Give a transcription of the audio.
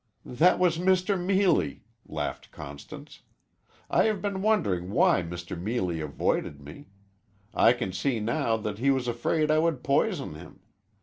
"That was Mr. Meelie," laughed Constance. "I have been wondering why Mr. Meelie avoided me. I can see now that he was afraid I would poison him.